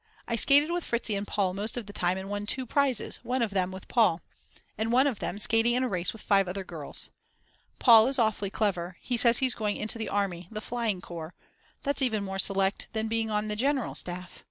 I skated with Fritzi and Paul most of the time and won 2 prizes, one of them with Paul. And one of them skating in a race with 5 other girls. Paul is awfully clever, he says he's going into the army, the flying corps. That's even more select than being on the general staff.